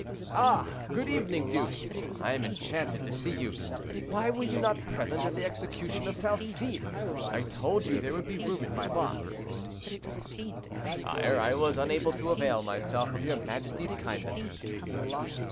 "Ah! good evening, duke; I am enchanted to see you. Why were you not present at the execution of Salcede?—I told you there would be room in my box." "Sire, I was unable to avail myself of your majesty's kindness."